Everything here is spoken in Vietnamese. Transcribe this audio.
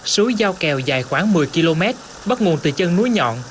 súi giao kẹo dài khoảng một mươi km bắt nguồn từ chân núi nhọn